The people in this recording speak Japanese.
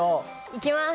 いきます。